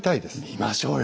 見ましょうよ。